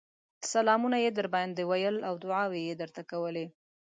سلامونه يې درباندې ويل او دعاوې يې درته کولې